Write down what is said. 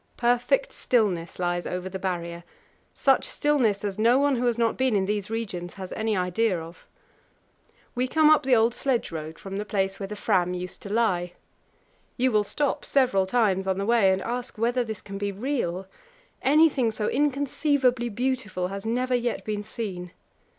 Perfect stillness lies over the Barrier such stillness as no one who has not been in these regions has any idea of. We come up the old sledge road from the place where the Fram used to lie. You will stop several times on the way and ask whether this can be real; anything so inconceivably beautiful has never yet been seen.